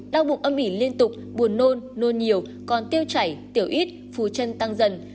đau bụng âm ỉ liên tục buồn nôn nôn nhiều còn tiêu chảy tiểu ít phù chân tăng dần